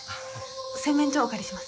洗面所お借りします。